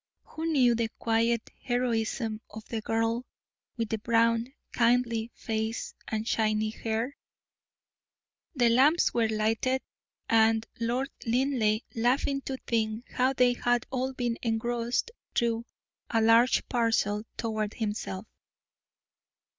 who knew the quiet heroism of the girl with the brown, kindly face and shining hair? The lamps were lighted, and, Lord Linleigh, laughing to think how they had all been engrossed, drew a large parcel toward himself.